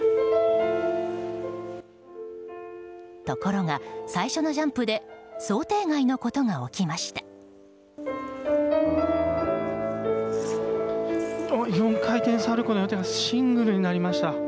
ところが、最初のジャンプで想定外のことが起きました。